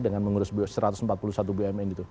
dengan mengurus satu ratus empat puluh satu bumn itu